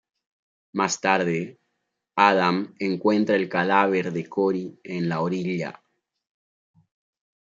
Más tarde, Adam encuentra el cadáver de Cory en la orilla.